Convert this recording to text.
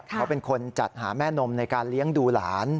เขาเป็นคนจัดหาแม่นมในการเลี้ยงดูหลาน